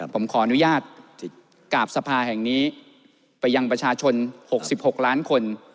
ผมขออนุญาตกราบสภาแห่งนี้ไปยังประชาชน๖๖ล้านคน